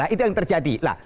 itu yang terjadi